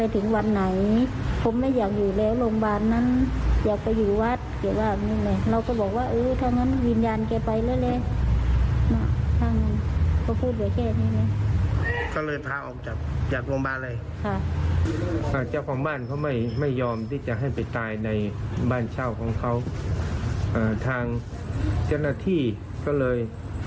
ทางเจ้าหน้าที่ก็เลย